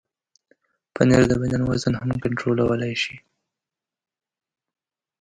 پنېر د بدن وزن هم کنټرولولی شي.